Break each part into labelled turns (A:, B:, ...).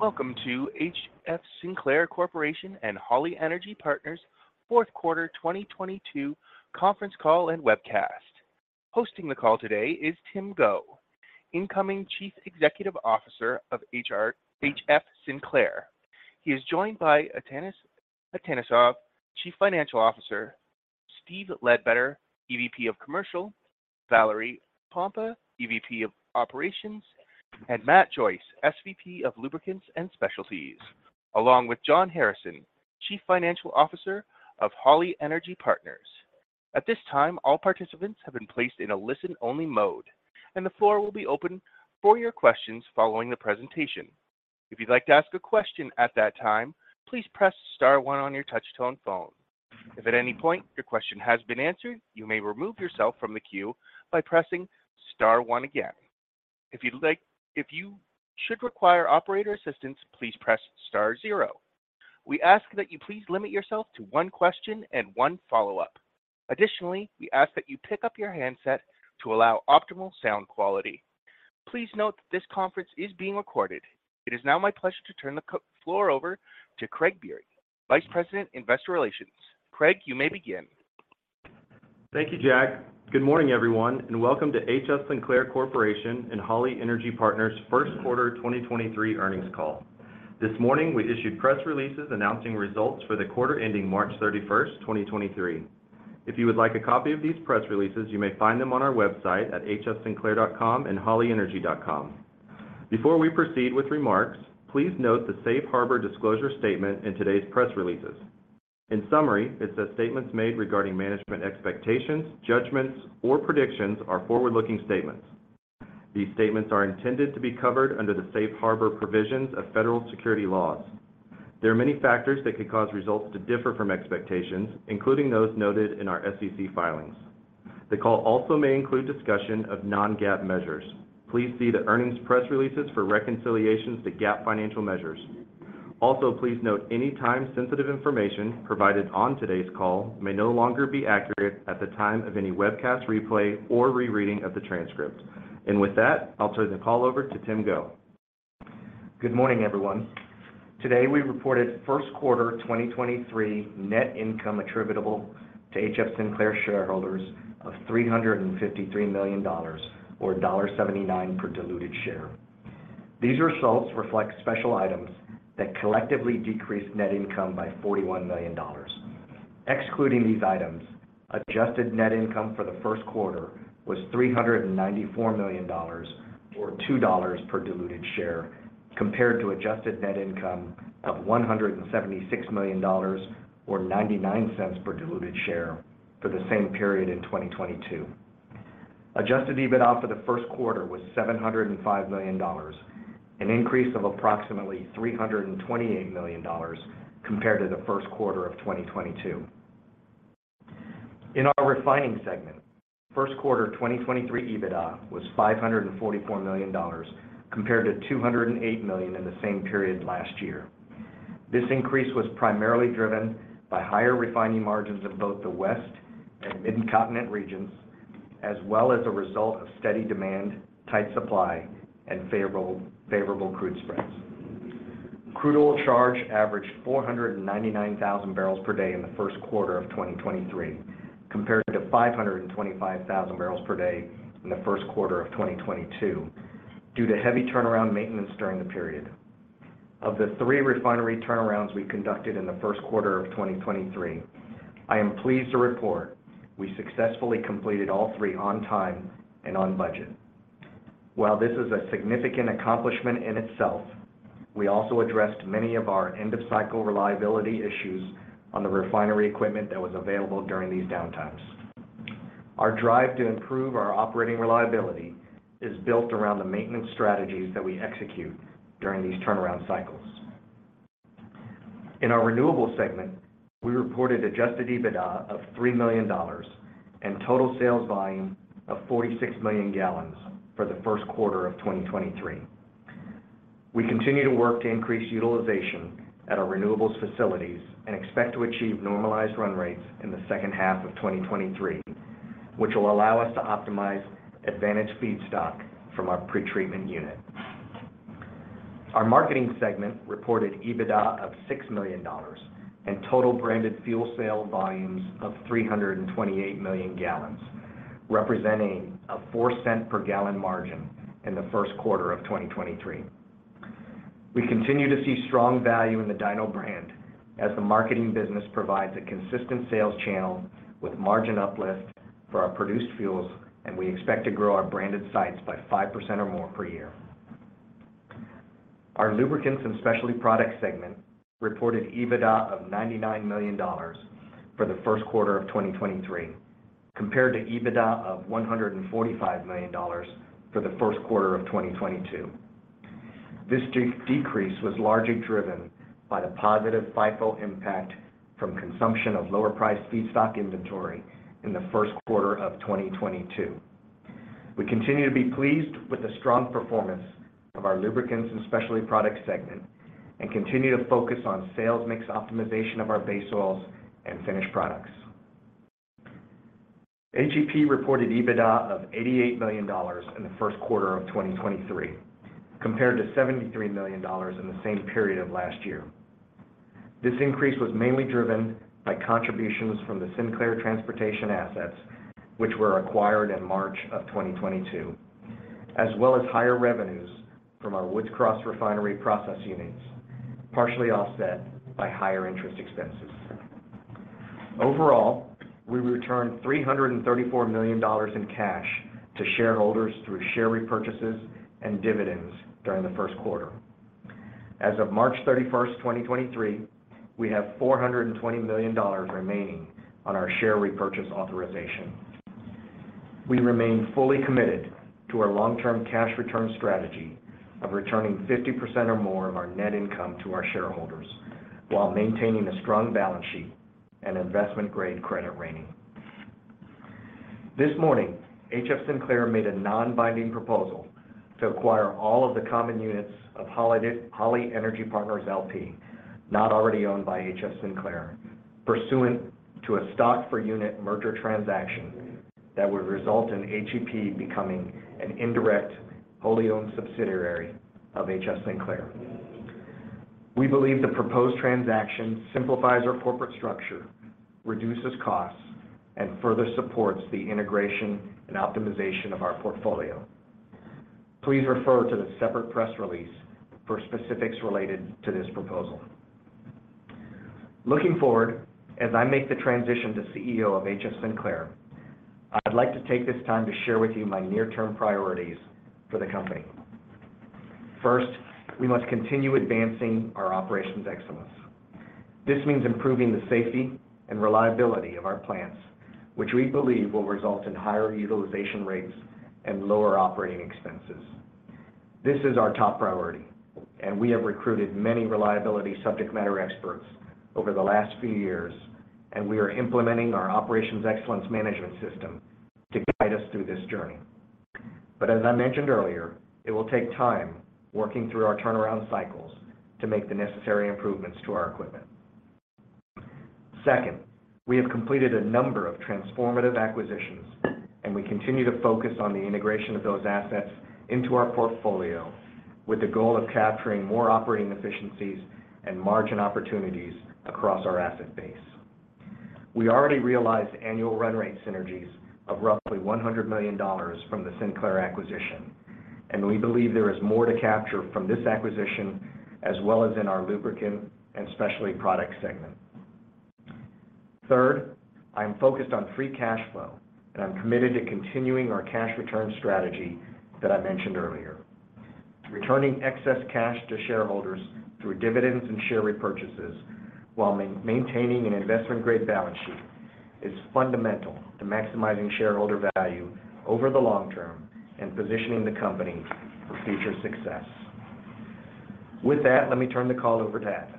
A: Welcome to H.F. Sinclair Corporation and Holly Energy Partners fourth quarter 2022 conference call and webcast. Hosting the call today is Tim Go, incoming Chief Executive Officer of H.F. Sinclair. He is joined by Atanas Atanasov, Chief Financial Officer, Steve Ledbetter, EVP of Commercial, Valerie Pompa, EVP of Operations, and Matt Joyce, SVP of Lubricants and Specialties, along with John Harrison, Chief Financial Officer of Holly Energy Partners. At this time, all participants have been placed in a listen-only mode, and the floor will be open for your questions following the presentation. If you'd like to ask a question at that time, please press star one on your touch-tone phone. If at any point your question has been answered, you may remove yourself from the queue by pressing star one again. If you should require operator assistance, please press star zero. We ask that you please limit yourself to one question and one follow-up. Additionally, we ask that you pick up your handset to allow optimal sound quality. Please note that this conference is being recorded. It is now my pleasure to turn the floor over to Craig Biery, Vice President, Investor Relations. Craig, you may begin.
B: Thank you, Jack. Good morning, everyone, welcome to HF Sinclair Corporation and Holly Energy Partners' first quarter 2023 earnings call. This morning, we issued press releases announcing results for the quarter ending March 31st, 2023. If you would like a copy of these press releases, you may find them on our website at hfsinclair.com and hollyenergy.com. Before we proceed with remarks, please note the safe harbor disclosure statement in today's press releases. In summary, it says statements made regarding management expectations, judgments or predictions are forward-looking statements. These statements are intended to be covered under the safe harbor provisions of federal security laws. There are many factors that could cause results to differ from expectations, including those noted in our SEC filings. The call also may include discussion of non-GAAP measures. Please see the earnings press releases for reconciliations to GAAP financial measures. Also, please note any time-sensitive information provided on today's call may no longer be accurate at the time of any webcast replay or rereading of the transcript. With that, I'll turn the call over to Tim Go.
C: Good morning, everyone. Today, we reported first quarter 2023 net income attributable to HF Sinclair shareholders of $353 million or $1.79 per diluted share. These results reflect special items that collectively decrease net income by $41 million. Excluding these items, adjusted net income for the first quarter was $394 million or $2.00 per diluted share compared to adjusted net income of $176 million or $0.99 per diluted share for the same period in 2022. Adjusted EBITDA for the first quarter was $705 million, an increase of approximately $328 million compared to the first quarter of 2022. In our refining segment, first quarter 2023 EBITDA was $544 million compared to $208 million in the same period last year. This increase was primarily driven by higher refining margins in both the West and Midcontinent regions, as well as a result of steady demand, tight supply, and favorable crude spreads. Crude oil charge averaged 499,000 barrels per day in the first quarter of 2023 compared to 525,000 barrels per day in the first quarter of 2022 due to heavy turnaround maintenance during the period. Of the three refinery turnarounds we conducted in the first quarter of 2023, I am pleased to report we successfully completed all three on time and on budget. While this is a significant accomplishment in itself, we also addressed many of our end-of-cycle reliability issues on the refinery equipment that was available during these downtimes. Our drive to improve our operating reliability is built around the maintenance strategies that we execute during these turnaround cycles. In our renewables segment, we reported adjusted EBITDA of $3 million and total sales volume of 46 million gallons for the first quarter of 2023. We continue to work to increase utilization at our renewables facilities and expect to achieve normalized run rates in the second half of 2023, which will allow us to optimize advantage feedstock from our pretreatment unit. Our marketing segment reported EBITDA of $6 million and total branded fuel sale volumes of 328 million gallons, representing a $0.04 per gallon margin in the first quarter of 2023. We continue to see strong value in the Dino brand as the marketing business provides a consistent sales channel with margin uplift for our produced fuels. We expect to grow our branded sites by 5% or more per year. Our lubricants and specialty product segment reported EBITDA of $99 million for the first quarter of 2023 compared to EBITDA of $145 million for the first quarter of 2022. This decrease was largely driven by the positive FIFO impact from consumption of lower-priced feedstock inventory in the first quarter of 2022. We continue to be pleased with the strong performance of our lubricants and specialty products segment and continue to focus on sales mix optimization of our base oils and finished products. HEP reported EBITDA of $88 million in the first quarter of 2023, compared to $73 million in the same period of last year. This increase was mainly driven by contributions from the Sinclair Transportation assets, which were acquired in March of 2022, as well as higher revenues from our Woods Cross Refinery process units, partially offset by higher interest expenses. Overall, we returned $334 million in cash to shareholders through share repurchases and dividends during the first quarter. As of March 31st, 2023, we have $420 million remaining on our share repurchase authorization. We remain fully committed to our long-term cash return strategy of returning 50% or more of our net income to our shareholders while maintaining a strong balance sheet and investment-grade credit rating. This morning, HF Sinclair made a non-binding proposal to acquire all of the common units of Holly Energy Partners, L.P., not already owned by HF Sinclair, pursuant to a stock for unit merger transaction that would result in HEP becoming an indirect, wholly-owned subsidiary of HF Sinclair. We believe the proposed transaction simplifies our corporate structure, reduces costs, and further supports the integration and optimization of our portfolio. Please refer to the separate press release for specifics related to this proposal. Looking forward, as I make the transition to CEO of HF Sinclair, I'd like to take this time to share with you my near-term priorities for the company. First, we must continue advancing our Operations Excellence. This means improving the safety and reliability of our plants, which we believe will result in higher utilization rates and lower operating expenses. This is our top priority. We have recruited many reliability subject matter experts over the last few years, and we are implementing our Operations Excellence Management System to guide us through this journey. As I mentioned earlier, it will take time working through our turnaround cycles to make the necessary improvements to our equipment. Second, we have completed a number of transformative acquisitions, and we continue to focus on the integration of those assets into our portfolio with the goal of capturing more operating efficiencies and margin opportunities across our asset base. We already realized annual run rate synergies of roughly $100 million from the Sinclair acquisition, and we believe there is more to capture from this acquisition as well as in our lubricant and specialty product segment. Third, I am focused on free cash flow, and I'm committed to continuing our cash return strategy that I mentioned earlier. Returning excess cash to shareholders through dividends and share repurchases while maintaining an investment-grade balance sheet is fundamental to maximizing shareholder value over the long term and positioning the company for future success. With that, let me turn the call over to Atanas.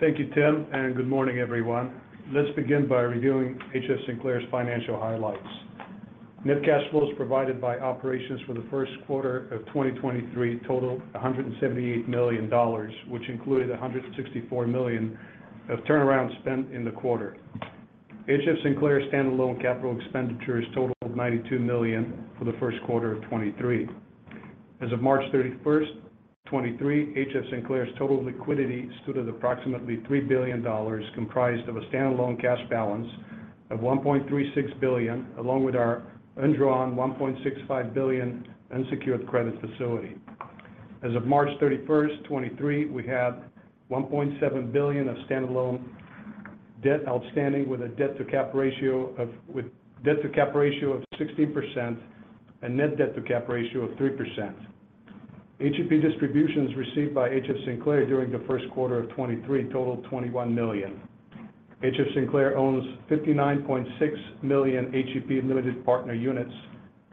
D: Thank you, Tim. Good morning, everyone. Let's begin by reviewing HF Sinclair's financial highlights. Net cash flows provided by operations for the first quarter of 2023 totaled $178 million, which included $164 million of turnaround spend in the quarter. HF Sinclair's standalone capital expenditures totaled $92 million for the first quarter of 2023. As of March 31st, 2023, HF Sinclair's total liquidity stood at approximately $3 billion, comprised of a standalone cash balance of $1.36 billion, along with our undrawn $1.65 billion unsecured credit facility. As of March 31st, 2023, we had $1.7 billion of standalone debt outstanding with a debt-to-cap ratio of 16% and net debt-to-cap ratio of 3%. HEP distributions received by HF Sinclair during the first quarter of 2023 totaled $21 million. HF. Sinclair owns 59.6 million HEP limited partner units,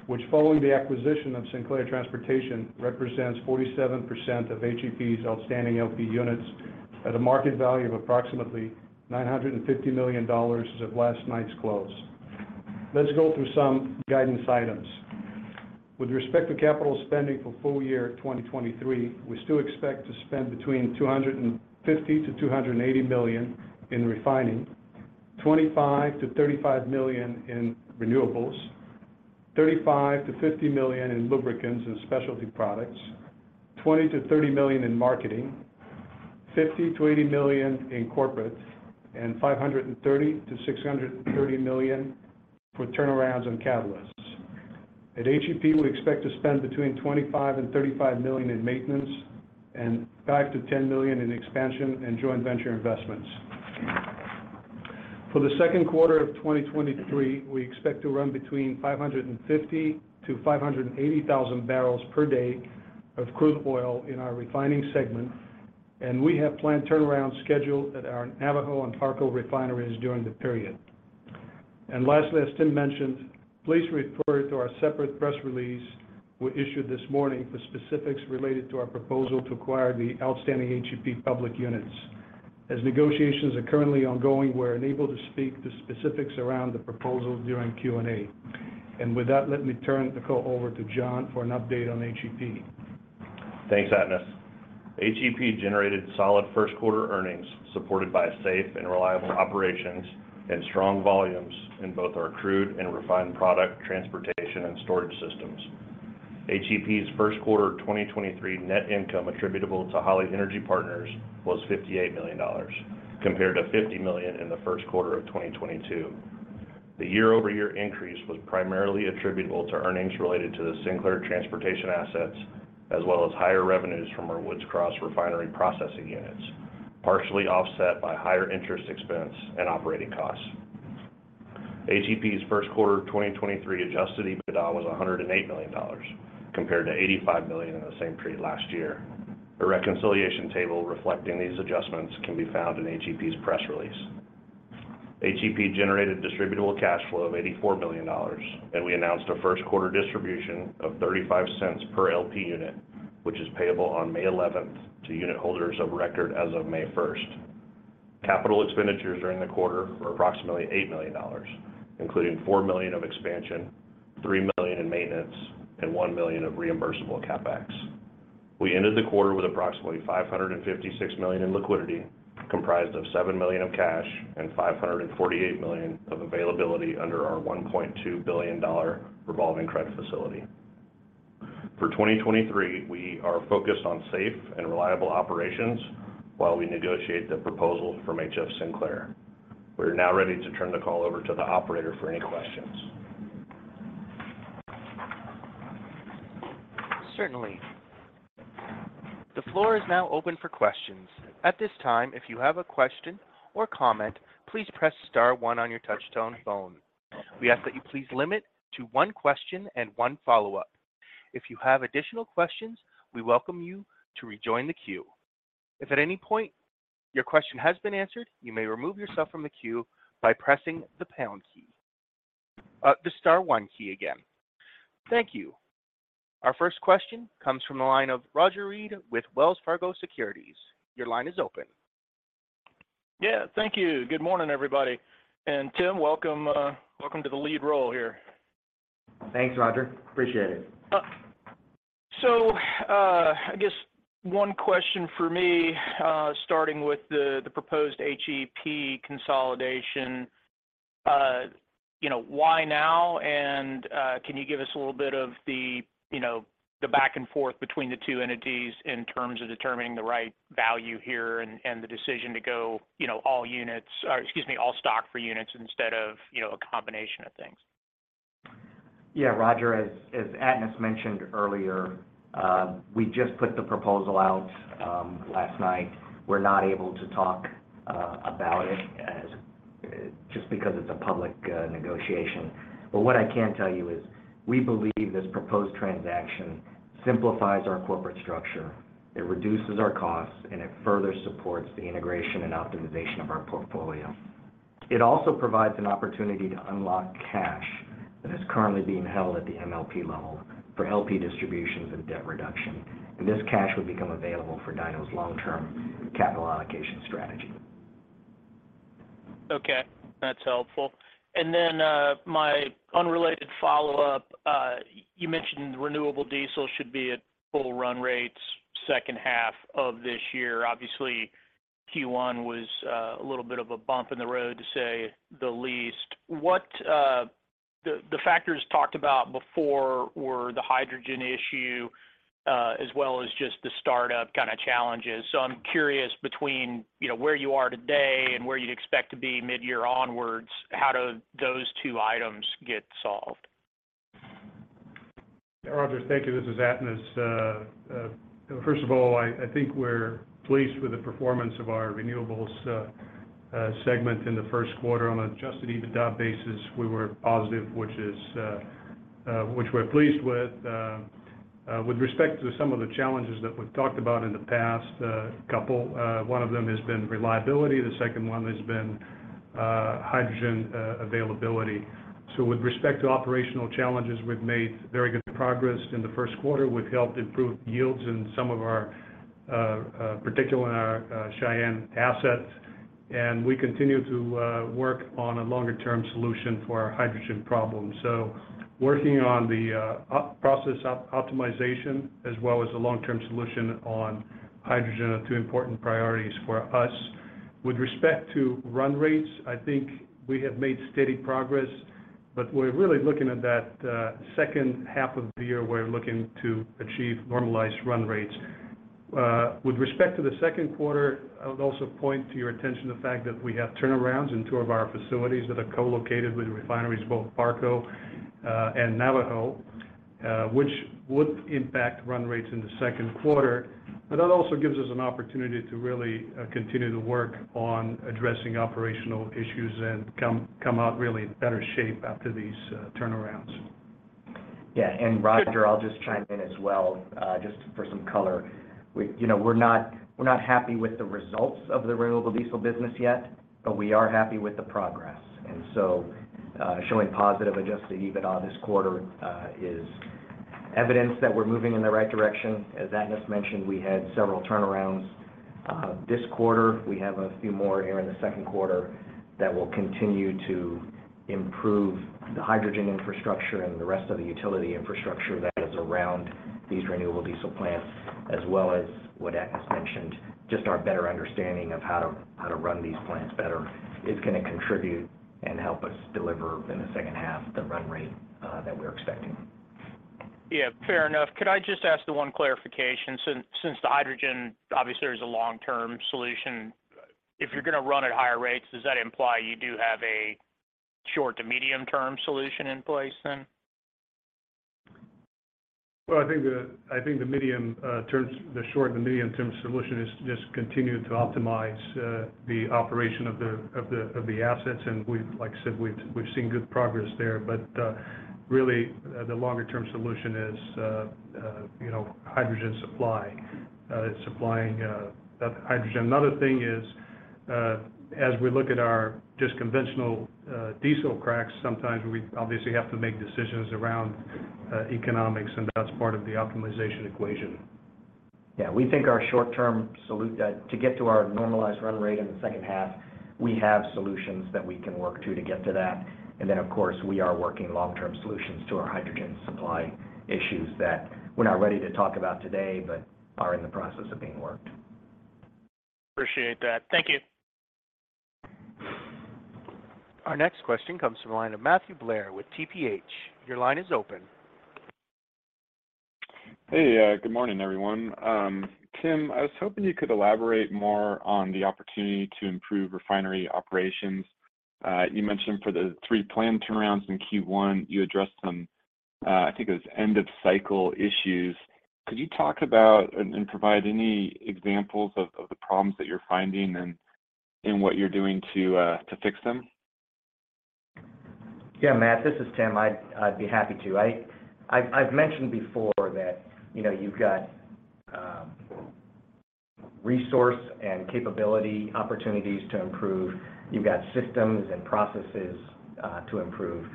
D: which following the acquisition of Sinclair Transportation, represents 47% of HEP's outstanding LP units at a market value of approximately $950 million as of last night's close. Let's go through some guidance items. With respect to capital spending for full year 2023, we still expect to spend between $250 million-$280 million in refining, $25 million-$35 million in renewables, $35 million-$50 million in lubricants and specialty products, $20 million-$30 million in marketing, $50 million-$80 million in corporate, and $530 million-$630 million for turnarounds and catalysts. At HEP, we expect to spend between $25 million and $35 million in maintenance and $5 million-$10 million in expansion and joint venture investments. For the second quarter of 2023, we expect to run between 550,000-580,000 barrels per day of crude oil in our refining segment, and we have planned turnaround scheduled at our Navajo and Parco refineries during the period. Lastly, as Tim mentioned, please refer to our separate press release we issued this morning for specifics related to our proposal to acquire the outstanding HEP public units. As negotiations are currently ongoing, we're unable to speak to specifics around the proposal during Q&A. With that, let me turn the call over to John for an update on HEP.
E: Thanks, Atanas. HEP generated solid first quarter earnings supported by safe and reliable operations and strong volumes in both our crude and refined product transportation and storage systems. HEP's first quarter of 2023 net income attributable to Holly Energy Partners was $58 million compared to $50 million in the first quarter of 2022. The year-over-year increase was primarily attributable to earnings related to the Sinclair transportation assets, as well as higher revenues from our Woods Cross refinery processing units, partially offset by higher interest expense and operating costs. HEP's first quarter of 2023 adjusted EBITDA was $108 million compared to $85 million in the same period last year. A reconciliation table reflecting these adjustments can be found in HEP's press release. HEP generated distributable cash flow of $84 million. We announced a first quarter distribution of $0.35 per LP unit, which is payable on May 11th to unit holders of record as of May 1st. Capital expenditures during the quarter were approximately $8 million, including $4 million of expansion, $3 million in maintenance, and $1 million of reimbursable CapEx. We ended the quarter with approximately $556 million in liquidity, comprised of $7 million of cash and $548 million of availability under our $1.2 billion revolving credit facility. For 2023, we are focused on safe and reliable operations while we negotiate the proposal from HF Sinclair. We're now ready to turn the call over to the operator for any questions.
A: Certainly. The floor is now open for questions. At this time, if you have a question or comment, please press star one on your touchtone phone. We ask that you please limit to 1 question and 1 follow-up. If you have additional questions, we welcome you to rejoin the queue. If at any point your question has been answered, you may remove yourself from the queue by pressing the pound key. The star one key again. Thank you. Our 1st question comes from the line of Roger Read with Wells Fargo Securities. Your line is open.
F: Yeah, thank you. Good morning, everybody. Tim, welcome to the lead role here.
C: Thanks, Roger. Appreciate it.
F: I guess one question for me, starting with the proposed HEP consolidation. you know, why now? Can you give us a little bit of the, you know, the back and forth between the two entities in terms of determining the right value here and the decision to go, you know, all units-- or excuse me, all stock for units instead of, you know, a combination of things?
C: Yeah, Roger, as Atanas mentioned earlier, we just put the proposal out last night. We're not able to talk about it as just because it's a public negotiation. What I can tell you is we believe this proposed transaction simplifies our corporate structure, it reduces our costs, and it further supports the integration and optimization of our portfolio. It also provides an opportunity to unlock cash that is currently being held at the MLP level for LP distributions and debt reduction. This cash would become available for DINO's long-term capital allocation strategy.
F: Okay, that's helpful. My unrelated follow-up, you mentioned renewable diesel should be at full run rates second half of this year. Obviously, Q1 was a little bit of a bump in the road to say the least. What factors talked about before were the hydrogen issue, as well as just the startup kind of challenges? I'm curious between, you know, where you are today and where you'd expect to be mid-year onwards, how do those two items get solved?
E: Roger, thank you. This is Atanas. First of all, I think we're pleased with the performance of our renewables segment in the first quarter. On an adjusted EBITDA basis, we were positive, which is which we're pleased with. With respect to some of the challenges that we've talked about in the past couple, one of them has been reliability, the second one has been hydrogen availability. With respect to operational challenges, we've made very good progress. In the first quarter, we've helped improve yields in some of our particularly in our Cheyenne assets. We continue to work on a longer-term solution for our hydrogen problem. Working on the process optimization as well as the long-term solution on hydrogen are two important priorities for us. With respect to run rates, I think we have made steady progress, but we're really looking at that, second half of the year, we're looking to achieve normalized run rates. With respect to the second quarter, I would also point to your attention the fact that we have turnarounds in two of our facilities that are co-located with refineries, both Barco, and Navajo, which would impact run rates in the second quarter. That also gives us an opportunity to really, continue to work on addressing operational issues and come out really in better shape after these, turnarounds.
C: Yeah. Roger, I'll just chime in as well, just for some color. You know, we're not, we're not happy with the results of the renewable diesel business yet, but we are happy with the progress. Showing positive adjusted EBITDA this quarter, is evidence that we're moving in the right direction. As Atanas mentioned, we had several turnarounds. This quarter, we have a few more here in the second quarter that will continue to improve the hydrogen infrastructure and the rest of the utility infrastructure that is around these renewable diesel plants, as well as what Atanas mentioned, just our better understanding of how to, how to run these plants better is gonna contribute and help us deliver in the second half the run rate that we're expecting.
F: Yeah. Fair enough. Could I just ask the one clarification? Since the hydrogen obviously is a long-term solution, if you're gonna run at higher rates, does that imply you do have a short to medium term solution in place then?
D: Well, the short and the medium-term solution is just continue to optimize the operation of the assets. like I said, we've seen good progress there. really, the longer term solution is, you know, hydrogen supply, supplying that hydrogen. Another thing is, as we look at our just conventional diesel cracks, sometimes we obviously have to make decisions around economics, and that's part of the optimization equation.
C: Yeah. We think our short-term to get to our normalized run rate in the second half, we have solutions that we can work to get to that. Of course, we are working long-term solutions to our hydrogen supply issues that we're not ready to talk about today, but are in the process of being worked.
F: Appreciate that. Thank you.
A: Our next question comes from the line of Matthew Blair with TPH. Your line is open.
G: Hey. Good morning, everyone. Tim, I was hoping you could elaborate more on the opportunity to improve refinery operations. You mentioned for the 3 planned turnarounds in Q1, you addressed some, I think it was end of cycle issues. Could you talk about and provide any examples of the problems that you're finding and what you're doing to fix them?
C: Yeah, Matt, this is Tim. I'd be happy to. I've mentioned before that, you know, you've got resource and capability opportunities to improve. You've got systems and processes to improve.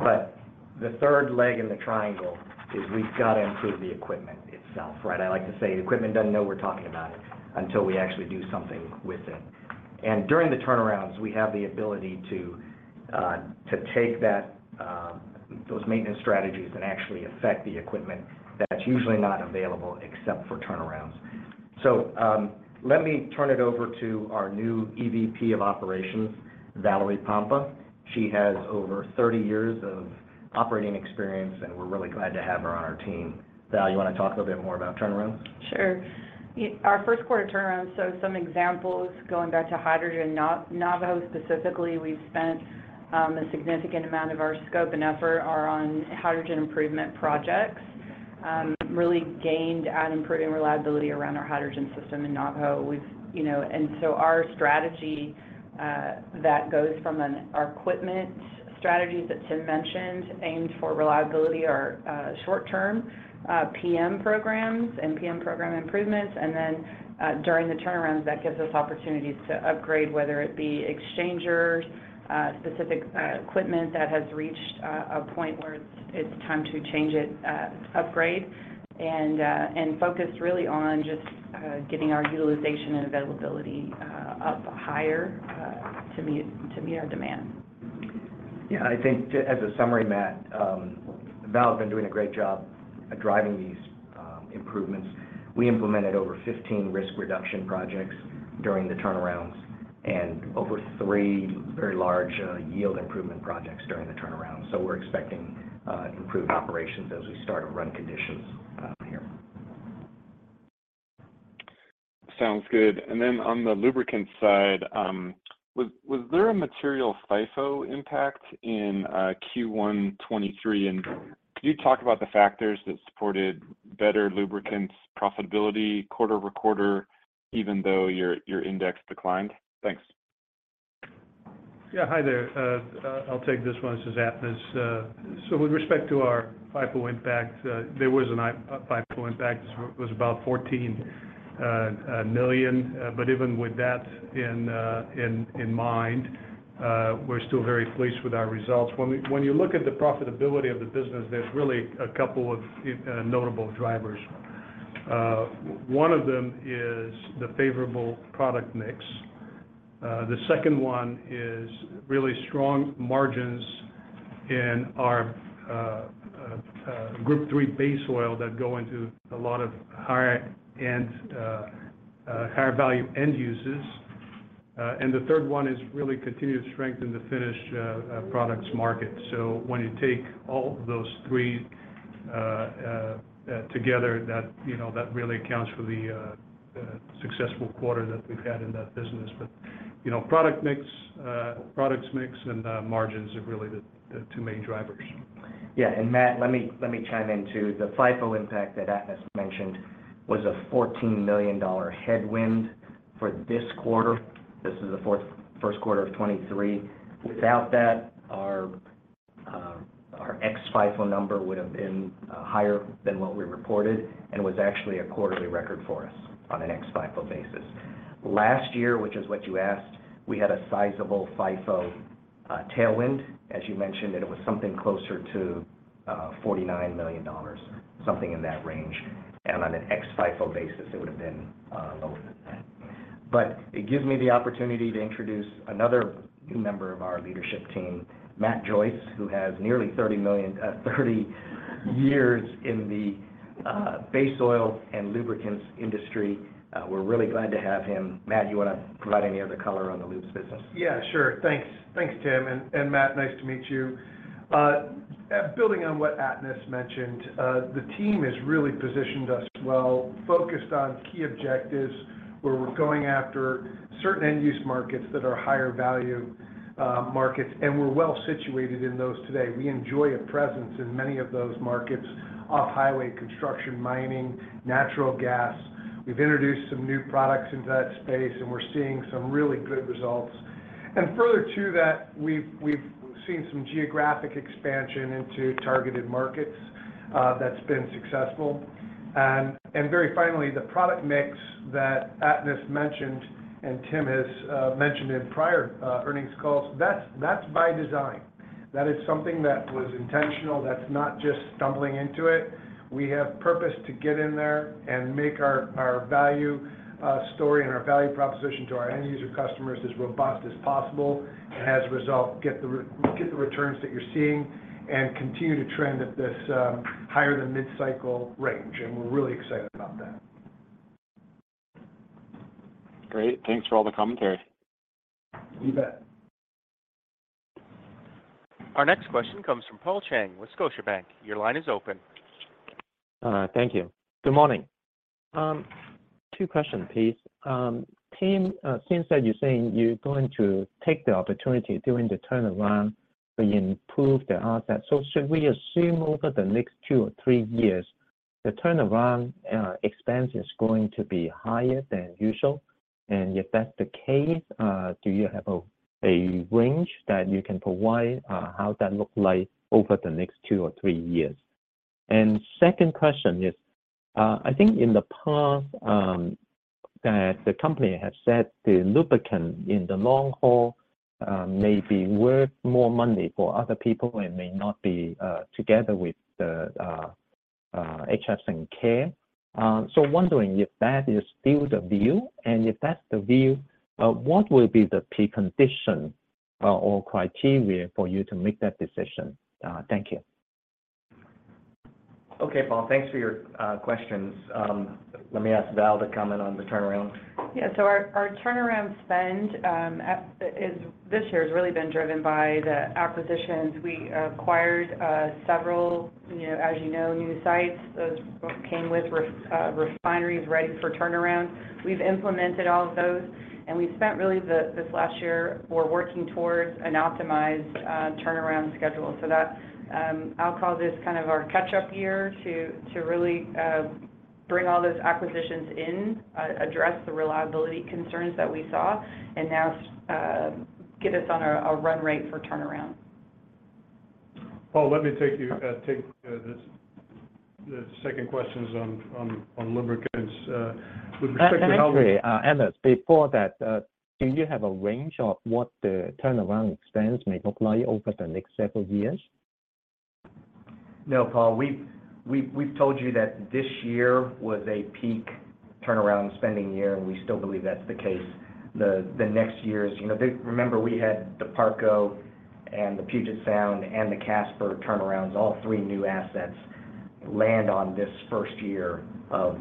C: The third leg in the triangle is we've got to improve the equipment itself, right? I like to say the equipment doesn't know we're talking about it until we actually do something with it. During the turnarounds, we have the ability to take that, those maintenance strategies that actually affect the equipment that's usually not available except for turnarounds. Let me turn it over to our new EVP of Operations, Valerie Pompa. She has over 30 years of operating experience, and we're really glad to have her on our team. Val, you wanna talk a little bit more about turnarounds?
H: Sure. Our first quarter turnarounds, some examples going back to hydrogen, Navajo specifically, we've spent a significant amount of our scope and effort are on hydrogen improvement projects. really gained at improving reliability around our hydrogen system in Navajo. We've, you know. Our strategy that goes from our equipment strategies that Tim mentioned aimed for reliability are short-term PM programs and PM program improvements. During the turnarounds, that gives us opportunities to upgrade, whether it be exchangers, specific equipment that has reached a point where it's time to change it, upgrade, and focus really on just getting our utilization and availability up higher to meet our demand.
C: Yeah. I think as a summary, Matt, Val's been doing a great job at driving these improvements. We implemented over 15 risk reduction projects during the turnarounds and over three very large yield improvement projects during the turnarounds. We're expecting improved operations as we start run conditions, here.
G: Sounds good. On the lubricant side, was there a material FIFO impact in Q1 2023? Could you talk about the factors that supported better lubricants profitability quarter-over-quarter even though your index declined? Thanks.
D: Yeah. Hi there. I'll take this one. This is Atanas. With respect to our FIFO impact, there was a FIFO impact. It was about $14 million. Even with that in mind, we're still very pleased with our results. When you look at the profitability of the business, there's really a couple of notable drivers. One of them is the favorable product mix. The second one is really strong margins in our Group III base oil that go into a lot of higher-end, higher value end uses. The third one is really continued strength in the finished products market. When you take all of those three together, that, you know, really accounts for the successful quarter that we've had in that business. You know, product mix, products mix and margins are really the two main drivers.
C: Yeah. Matt, let me chime in, too. The FIFO impact that Atanas mentioned was a $14 million headwind for this quarter. This is the first quarter of 2023. Without that, our ex-FIFO number would have been higher than what we reported and was actually a quarterly record for us on an ex-FIFO basis. Last year, which is what you asked, we had a sizable FIFO tailwind, as you mentioned, and it was something closer to $49 million, something in that range. On an ex-FIFO basis, it would have been lower than that. It gives me the opportunity to introduce another new member of our leadership team, Matt Joyce, who has nearly 30 years in the base oil and lubricants industry. We're really glad to have him. Matt, you wanna provide any other color on the lubes business?
D: Yeah, sure. Thanks. Thanks, Tim, and Matt, nice to meet you. Building on what Atanas mentioned, the team has really positioned us well, focused on key objectives, where we're going after certain end-use markets that are higher value markets, and we're well situated in those today. We enjoy a presence in many of those markets: off-highway construction, mining, natural gas. We've introduced some new products into that space, and we're seeing some really good results. Further to that, we've seen some geographic expansion into targeted markets that's been successful. Very finally, the product mix that Atanas mentioned and Tim has mentioned in prior earnings calls, that's by design. That is something that was intentional, that's not just stumbling into it. We have purpose to get in there and make our value, story and our value proposition to our end user customers as robust as possible, and as a result, get the returns that you're seeing and continue to trend at this, higher than mid-cycle range. We're really excited about that.
G: Great. Thanks for all the commentary.
D: You bet.
A: Our next question comes from Paul Cheng with Scotiabank. Your line is open.
I: Thank you. Good morning. Two questions, please. Tim, since that you're saying you're going to take the opportunity during the turnaround to improve the assets, should we assume over the next two or three years, the turnaround expense is going to be higher than usual? If that's the case, do you have a range that you can provide how that look like over the next two or three years? Second question is, I think in the past, the company has said the lubricant in the long haul may be worth more money for other people and may not be together with the HF Sinclair. Wondering if that is still the view, and if that's the view, what will be the precondition, or criteria for you to make that decision? Thank you.
C: Okay, Paul. Thanks for your questions. Let me ask Val to comment on the turnaround.
H: Our turnaround spend this year has really been driven by the acquisitions. We acquired several, you know, as you know, new sites. Those both came with refineries ready for turnaround. We've implemented all of those, and we spent really this last year, we're working towards an optimized turnaround schedule. That, I'll call this kind of our catch-up year to really bring all those acquisitions in, address the reliability concerns that we saw and now get us on a run rate for turnaround.
D: Paul, let me take the second questions on lubricants. With respect to how we
I: Actually, Atanas, before that, do you have a range of what the turnaround expense may look like over the next several years?
C: No, Paul. We've told you that this year was a peak turnaround spending year. We still believe that's the case. The next years, you know, Remember we had the Parco and the Puget Sound and the Casper turnarounds, all three new assets land on this first year of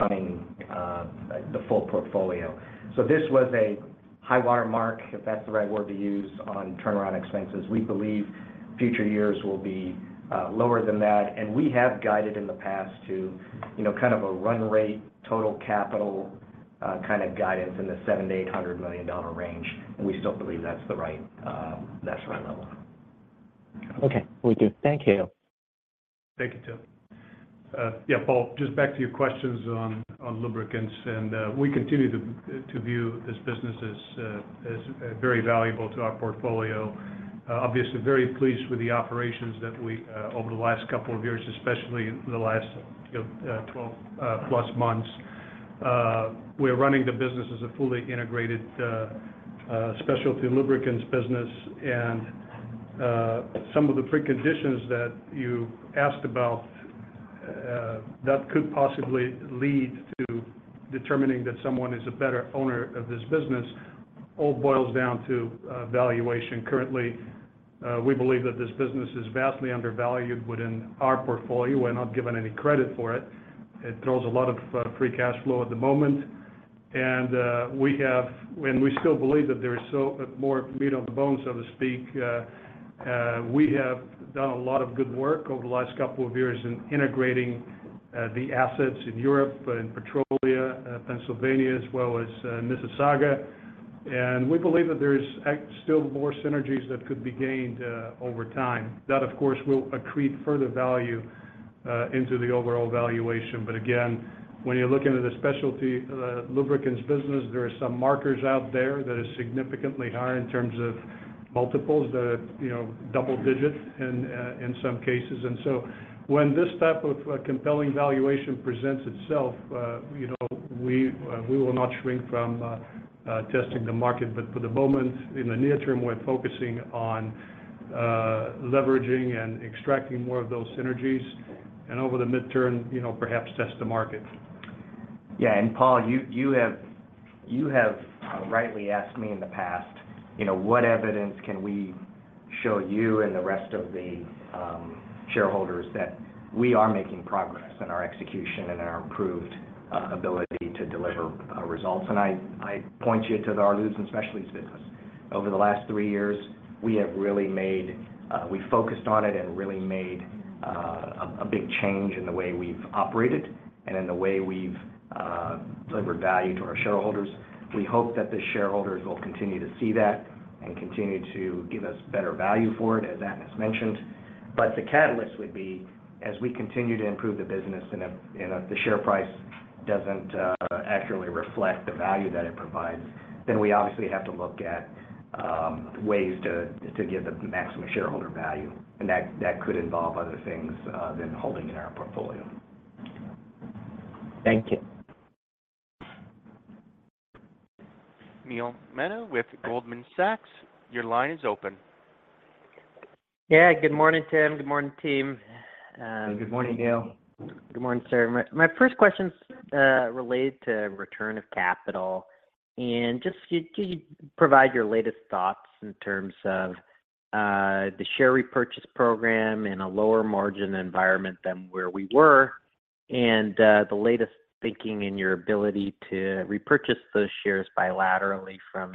C: running the full portfolio. This was a high water mark, if that's the right word to use, on turnaround expenses. We believe future years will be lower than that. We have guided in the past to, you know, kind of a run rate, total capital, kind of guidance in the $700 million-$800 million range. We still believe that's the right, that's the right level.
I: Okay. Will do. Thank you.
D: Thank you, Tim. Paul, just back to your questions on lubricants, and we continue to view this business as very valuable to our portfolio. Obviously very pleased with the operations that we over the last couple of years, especially the last, you know, 12 plus months. We're running the business as a fully integrated specialty lubricants business. Some of the preconditions that you asked about that could possibly lead to determining that someone is a better owner of this business all boils down to valuation. Currently, we believe that this business is vastly undervalued within our portfolio. We're not given any credit for it. It throws a lot of free cash flow at the moment. We still believe that there is so more meat on the bone, so to speak. We have done a lot of good work over the last couple of years in integrating the assets in Europe, in Petrolia, Pennsylvania, as well as Mississauga. We believe that there is still more synergies that could be gained over time. That, of course, will accrete further value into the overall valuation. Again, when you're looking at the specialty lubricants business, there are some markers out there that are significantly higher in terms of multiples that are, you know, double digits in some cases. When this type of a compelling valuation presents itself, you know, we will not shrink from testing the market. For the moment, in the near term, we're focusing on leveraging and extracting more of those synergies, and over the midterm, you know, perhaps test the market.
C: Yeah. Paul Cheng, you have rightly asked me in the past, you know, what evidence can we show you and the rest of the shareholders that we are making progress in our execution and our improved ability to deliver results. I point you to our Lubricants & Specialties business. Over the last three years, we have really made, we focused on it and really made a big change in the way we've operated and in the way we've delivered value to our shareholders. We hope that the shareholders will continue to see that and continue to give us better value for it, as Atanas Atanasov mentioned. The catalyst would be as we continue to improve the business and if the share price doesn't accurately reflect the value that it provides, then we obviously have to look at ways to give the maximum shareholder value. That could involve other things than holding in our portfolio.
I: Thank you.
A: Neil Mehta with Goldman Sachs, your line is open.
J: Yeah. Good morning, Tim. Good morning, team.
C: Good morning, Neil.
J: Good morning, sir. My first question's related to return of capital. Just could you provide your latest thoughts in terms of the share repurchase program in a lower margin environment than where we were, and the latest thinking in your ability to repurchase those shares bilaterally from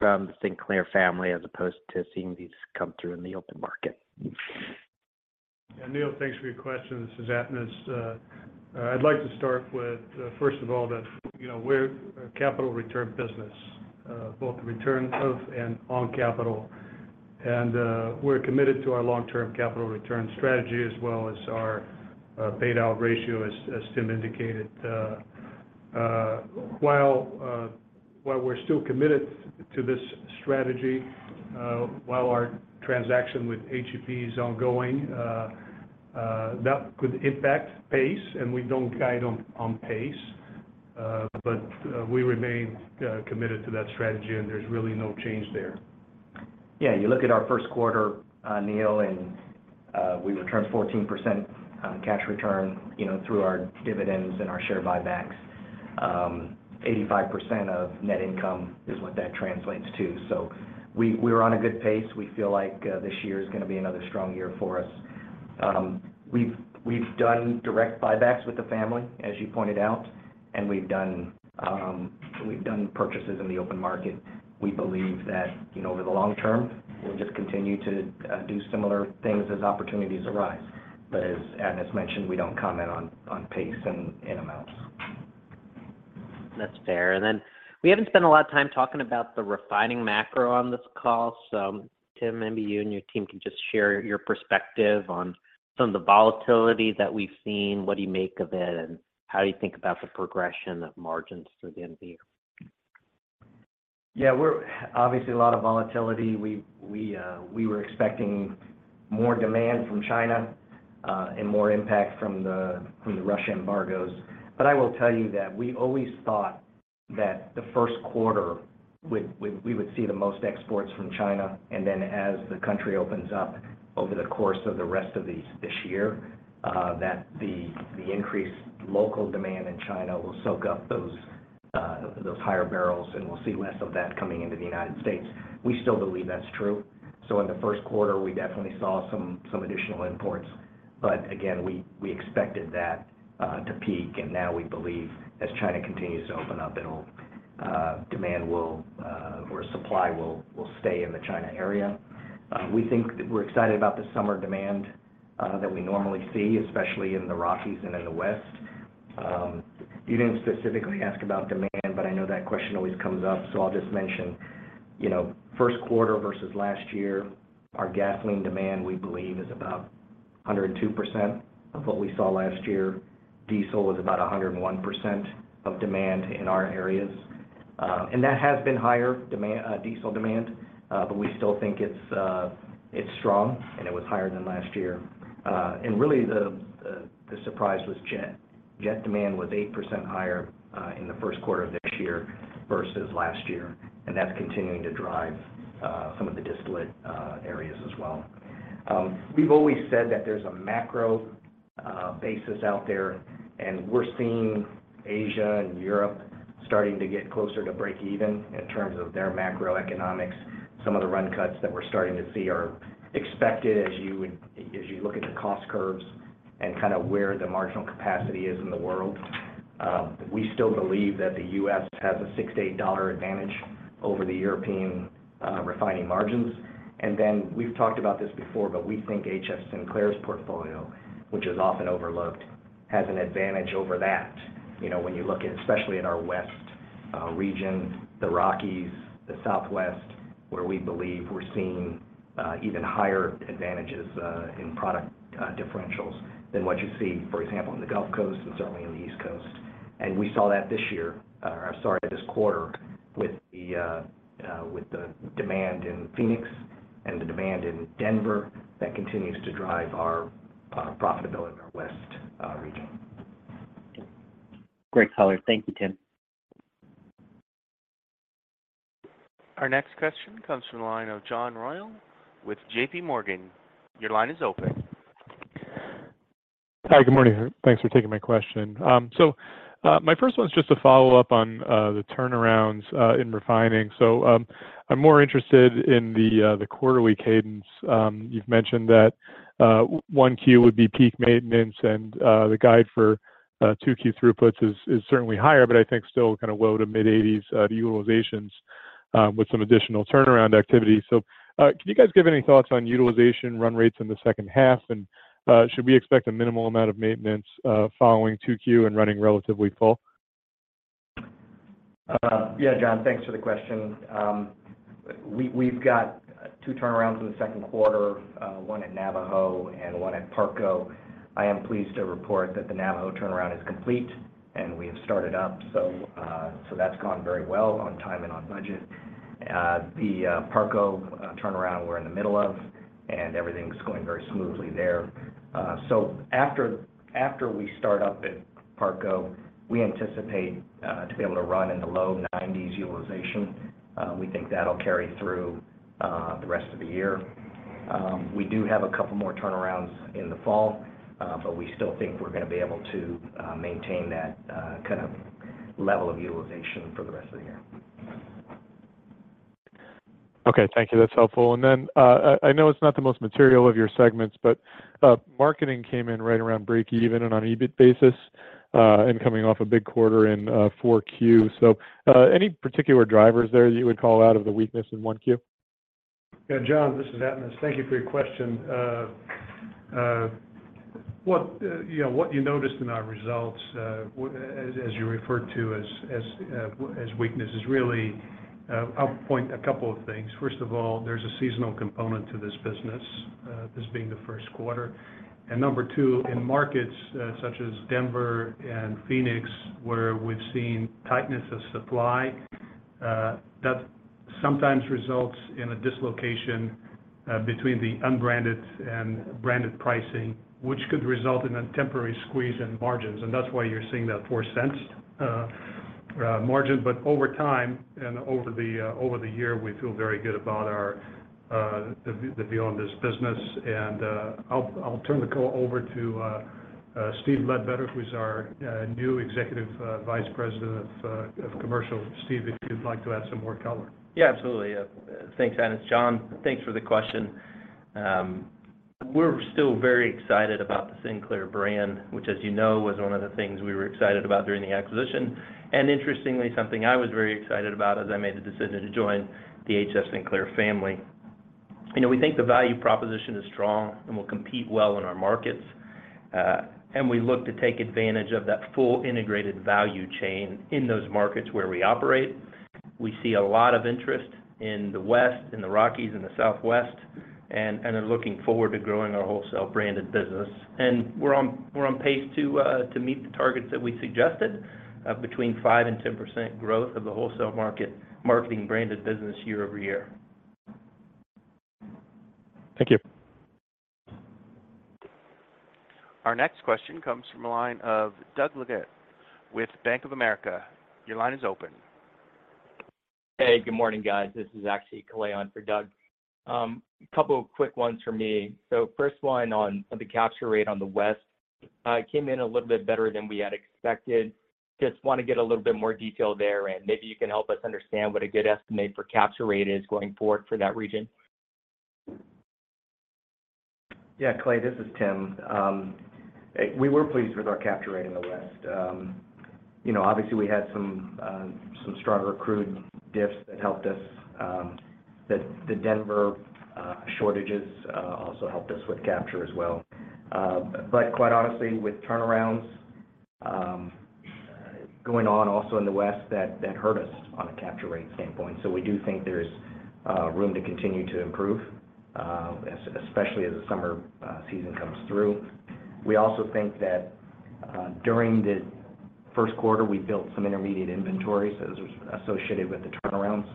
J: the Sinclair family as opposed to seeing these come through in the open market?
D: Yeah. Neil, thanks for your question. This is Atanas. I'd like to start with, first of all, that, you know, we're a capital return business, both return of and on capital. We're committed to our long-term capital return strategy as well as our paid out ratio as Tim indicated. While we're still committed to this strategy, while our transaction with HEP is ongoing, that could impact pace, and we don't guide on pace. We remain, committed to that strategy, and there's really no change there.
C: You look at our first quarter, Neil, we returned 14% cash return, you know, through our dividends and our share buybacks. 85% of net income is what that translates to. We're on a good pace. We feel like this year is gonna be another strong year for us. We've done direct buybacks with the family, as you pointed out, and we've done purchases in the open market. We believe that, you know, over the long term, we'll just continue to do similar things as opportunities arise. As Atmas mentioned, we don't comment on pace and amounts.
J: That's fair. We haven't spent a lot of time talking about the refining macro on this call. Tim, maybe you and your team can just share your perspective on some of the volatility that we've seen, what do you make of it, and how do you think about the progression of margins through the end of the year?
C: Yeah. We're obviously a lot of volatility. We were expecting more demand from China and more impact from the Russia embargoes. I will tell you that we always thought that the first quarter would see the most exports from China. As the country opens up over the course of the rest of this year, that the increased local demand in China will soak up those higher barrels, and we'll see less of that coming into the United States. We still believe that's true. In the first quarter, we definitely saw some additional imports. Again, we expected that to peak. Now we believe as China continues to open up, it'll demand will or supply will stay in the China area. We think that we're excited about the summer demand that we normally see, especially in the Rockies and in the West. You didn't specifically ask about demand, but I know that question always comes up, so I'll just mention. You know, first quarter versus last year, our gasoline demand, we believe, is about 102% of what we saw last year. Diesel was about 101% of demand in our areas. That has been diesel demand, but we still think it's strong, and it was higher than last year. Really, the surprise was jet. Jet demand was 8% higher in the first quarter of this year versus last year, and that's continuing to drive some of the distillate areas as well. We've always said that there's a macro basis out there, and we're seeing Asia and Europe starting to get closer to breakeven in terms of their macroeconomics. Some of the run cuts that we're starting to see are expected as you look at the cost curves and kinda where the marginal capacity is in the world. We still believe that the U.S. has a $6-$8 advantage over the European refining margins. We've talked about this before, but we think HF Sinclair's portfolio, which is often overlooked, has an advantage over that. You know, when you look at, especially at our west region, the Rockies, the Southwest, where we believe we're seeing even higher advantages in product differentials than what you see, for example, in the Gulf Coast and certainly in the East Coast. We saw that this year, or sorry, this quarter with the demand in Phoenix and the demand in Denver that continues to drive our profitability in our west region.
J: Great color. Thank you, Tim.
A: Our next question comes from the line of John Royall with JPMorgan. Your line is open.
K: Hi. Good morning. Thanks for taking my question. My first one's just a follow-up on the turnarounds in refining. I'm more interested in the quarterly cadence. You've mentioned that 1Q would be peak maintenance, and the guide for 2Q throughputs is certainly higher, but I think still kind of low to mid-80s utilizations with some additional turnaround activity. Can you guys give any thoughts on utilization run rates in the second half? Should we expect a minimal amount of maintenance following 2Q and running relatively full?
C: Yeah, John, thanks for the question. We've got two turnarounds in the second quarter, one at Navajo and one at Parco. I am pleased to report that the Navajo turnaround is complete, and we have started up. That's gone very well on time and on budget. The Parco turnaround we're in the middle of, and everything's going very smoothly there. After we start up at Parco, we anticipate to be able to run in the low 90s utilization. We think that'll carry through the rest of the year. We do have a couple more turnarounds in the fall, we still think we're gonna be able to maintain that kind of level of utilization for the rest of the year.
K: Okay. Thank you. That's helpful. Then, I know it's not the most material of your segments, but, marketing came in right around break-even on an EBIT basis, and coming off a big quarter in 4Q. Any particular drivers there you would call out of the weakness in 1Q?
D: Yeah, John, this is Atanas. Thank you for your question. what, you know, what you noticed in our results, as you referred to as weakness is really, I'll point a couple of things. First of all, there's a seasonal component to this business, this being the first quarter. Number two, in markets such as Denver and Phoenix, where we've seen tightness of supply, that sometimes results in a dislocation between the unbranded and branded pricing, which could result in a temporary squeeze in margins, and that's why you're seeing that $0.04 margin. Over time and over the year, we feel very good about our, the view on this business. I'll turn the call over to Steve Ledbetter, who's our new Executive Vice President of Commercial. Steve, if you'd like to add some more color.
L: Yeah, absolutely. Thanks, Atanas. John, thanks for the question. We're still very excited about the Sinclair brand, which, as you know, was one of the things we were excited about during the acquisition. Interestingly, something I was very excited about as I made the decision to join the HF Sinclair family. You know, we think the value proposition is strong and will compete well in our markets. We look to take advantage of that full integrated value chain in those markets where we operate. We see a lot of interest in the West, in the Rockies, in the Southwest, and are looking forward to growing our wholesale branded business. We're on pace to meet the targets that we suggested of between 5% and 10% growth of the wholesale marketing branded business year-over-year.
K: Thank you.
A: Our next question comes from the line of Doug Leggate with Bank of America. Your line is open.
M: Hey, good morning, guys. This is actually Clay on for Doug. A couple of quick ones for me. First one on the capture rate on the West came in a little bit better than we had expected. Just wanna get a little bit more detail there, and maybe you can help us understand what a good estimate for capture rate is going forward for that region.
C: Yeah, Clay, this is Tim. We were pleased with our capture rate in the West. You know, obviously, we had some stronger crude diffs that helped us, that the Denver shortages also helped us with capture as well. Quite honestly, with turnarounds going on also in the West, that hurt us on a capture rate standpoint. We do think there's room to continue to improve especially as the summer season comes through. We also think that during the first quarter, we built some intermediate inventory, so this was associated with the turnarounds,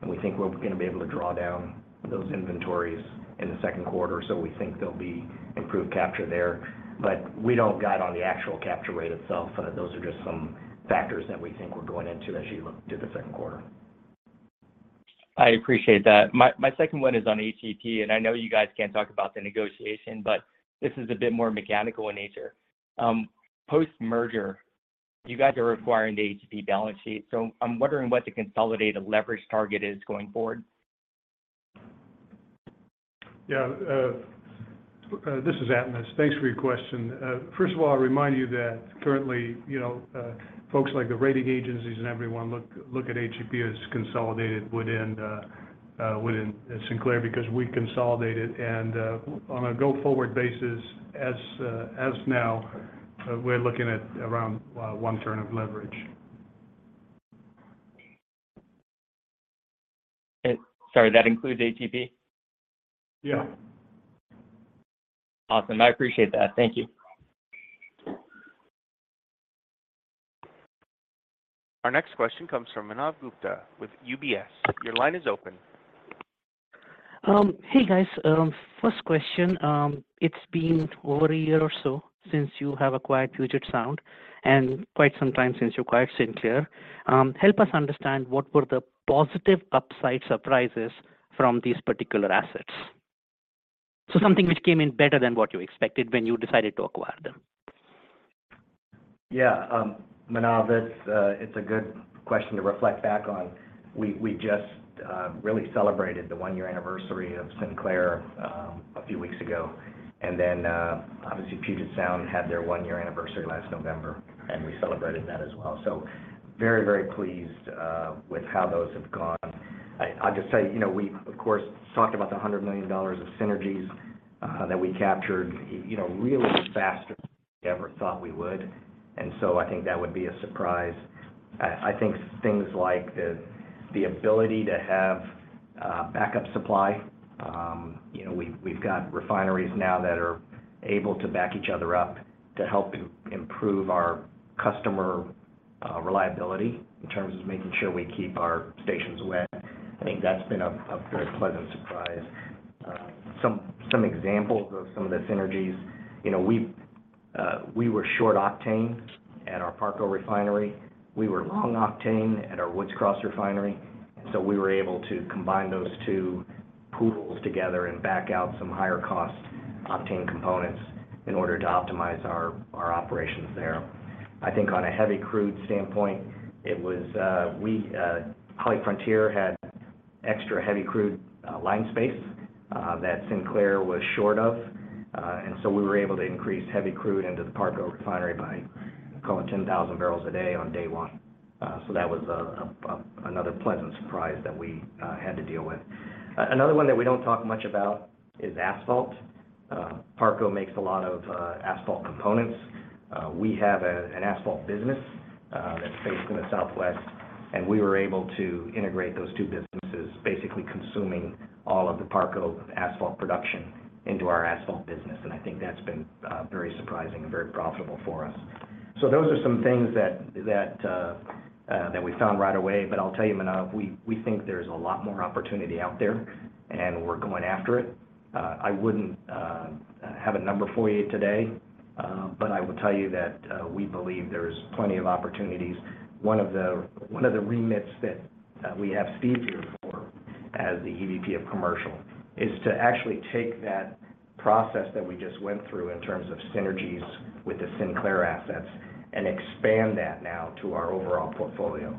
C: and we think we're gonna be able to draw down those inventories in the second quarter. We think there'll be improved capture there, but we don't guide on the actual capture rate itself. Those are just some factors that we think we're going into as you look to the second quarter.
M: I appreciate that. My second one is on HEP, and I know you guys can't talk about the negotiation, but this is a bit more mechanical in nature. Post-merger, you guys are requiring the HEP balance sheet, so I'm wondering what the consolidated leverage target is going forward.
D: Yeah. this is Atanas. Thanks for your question. First of all, I remind you that currently, you know, folks like the rating agencies and everyone look at HEP as consolidated within Sinclair because we consolidated. On a go-forward basis, as now, we're looking at around one turn of leverage.
M: Okay. Sorry, that includes ATP?
D: Yeah.
M: Awesome. I appreciate that. Thank you.
A: Our next question comes from Manav Gupta with UBS. Your line is open.
N: Hey guys. First question. It's been over a year or so since you have acquired Puget Sound, and quite some time since you acquired Sinclair. Help us understand what were the positive upside surprises from these particular assets? Something which came in better than what you expected when you decided to acquire them.
C: Yeah. Manav, it's a good question to reflect back on. We just really celebrated the one-year anniversary of Sinclair a few weeks ago. Obviously Puget Sound had their one-year anniversary last November, and we celebrated that as well. Very, very pleased with how those have gone. I'll just tell you know, we of course talked about the $100 million of synergies that we captured, you know, really faster than we ever thought we would. I think that would be a surprise. I think things like the ability to have backup supply. You know, we've got refineries now that are able to back each other up to help improve our customer reliability in terms of making sure we keep our stations wet. I think that's been a very pleasant surprise. Some examples of some of the synergies. You know, we were short octane at our Parco refinery. We were long octane at our Woods Cross refinery. We were able to combine those two pools together and back out some higher cost octane components in order to optimize our operations there. I think on a heavy crude standpoint, it was, we HollyFrontier had extra heavy crude line space that Sinclair was short of. We were able to increase heavy crude into the Parco refinery by call it 10,000 barrels a day on day one. That was another pleasant surprise that we had to deal with. Another one that we don't talk much about is asphalt. Parco makes a lot of asphalt components. We have an asphalt business that's based in the Southwest, and we were able to integrate those two businesses, basically consuming all of the Parco asphalt production into our asphalt business. I think that's been very surprising and very profitable for us. Those are some things that we found right away. I'll tell you, Manav, we think there's a lot more opportunity out there, and we're going after it. I wouldn't have a number for you today, but I will tell you that we believe there's plenty of opportunities. One of the remits that we have Steve here for as the EVP of Commercial, is to actually take that process that we just went through in terms of synergies with the Sinclair assets and expand that now to our overall portfolio.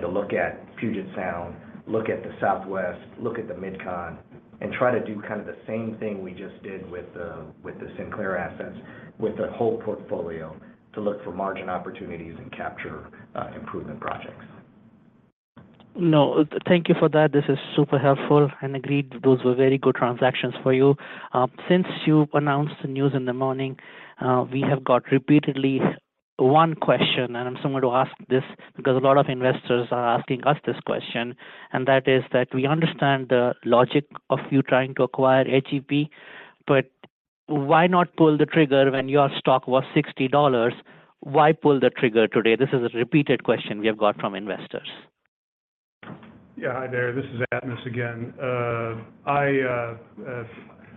C: To look at Puget Sound, look at the Southwest, look at the MidCon, and try to do kind of the same thing we just did with the Sinclair assets, with the whole portfolio to look for margin opportunities and capture improvement projects.
N: No, thank you for that. This is super helpful. Agreed, those were very good transactions for you. Since you announced the news in the morning, we have got repeatedly one question, and I'm someone to ask this because a lot of investors are asking us this question, and that is that we understand the logic of you trying to acquire HEP, but why not pull the trigger when your stock was $60? Why pull the trigger today? This is a repeated question we have got from investors.
D: Yeah. Hi there. This is Atanas again.